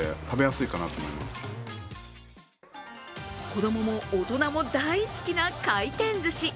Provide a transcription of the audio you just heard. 子供も大人も大好きな回転ずし。